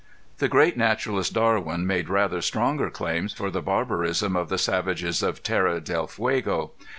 The great naturalist Darwin made rather stronger claims for the barbarism of the savages of Terra del Fuego.